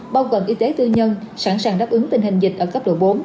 bao gồm y tế tư nhân sẵn sàng đáp ứng tình hình dịch ở cấp độ bốn